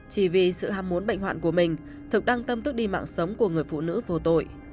chỉ vì sự ham muốn bệnh hoạn của mình thực đang tâm thức đi mạng sống của người phụ nữ vô tội